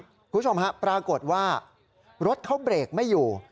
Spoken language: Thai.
คุณผู้ชมฮะปรากฏว่ารถเขาเบรกไม่อยู่